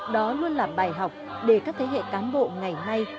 đó luôn là bài học để các thế hệ cán bộ ngày nay